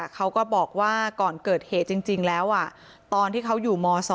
เขาก็บอกว่าก่อนเกิดเหตุจริงแล้วตอนที่เขาอยู่ม๒